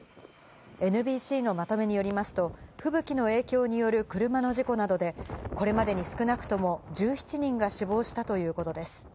ＮＢＣのまとめによりますと、吹雪の影響による車の事故などで、これまでに少なくとも１７人が死亡したということです。